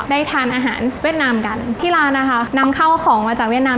ทานอาหารเวียดนามกันที่ร้านนะคะนำเข้าของมาจากเวียดนาม